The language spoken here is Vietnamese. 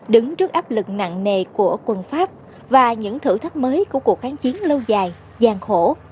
đứng trước áp lực nặng nề của quân pháp và những thử thách mới của cuộc kháng chiến lâu dài gian khổ